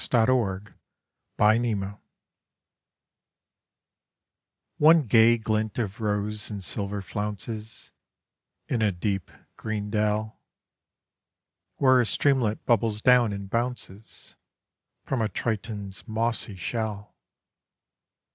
XXV THE OLD FOUNTAIN ONE gay glint of rose and silver flounces In a deep green dell, Where a streamlet bubbles down and bounces From a Triton's mossy shell.